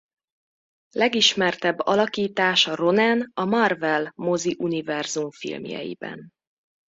Legismertebb alakítása Ronan a Marvel-moziuniverzum filmjeiben.